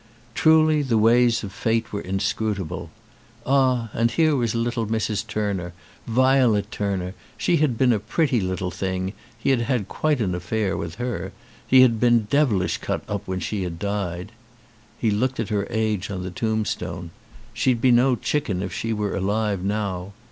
Truly the ways of fate were inscrutable. Ah, and here was little Mrs. Turner, Violet Turner, she had been a pretty little thing, he had had quite an affair with her; he had been devilish cut up when she died. He looked at her age on the tombstone. She'd be no chicken if she were alive now.